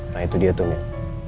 nah itu dia tuh nih